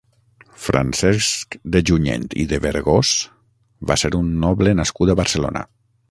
Francesc de Junyent i de Vergós va ser un noble nascut a Barcelona.